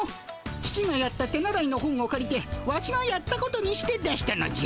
父がやった手習いの本をかりてワシがやったことにして出したのじゃ。